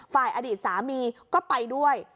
ฝ่ายอดีตสามีก็ไปด้วย